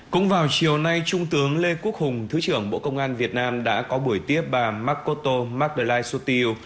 cũng vào chiều nay trung tướng lê quốc hùng thứ trưởng bộ công an việt nam đã có buổi tiếp bà makoto magdalai sotiu